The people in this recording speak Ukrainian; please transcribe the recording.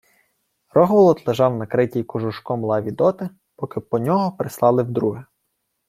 Рогволод лежав на критій кожушком лаві доти, поки по нього прислали вдруге.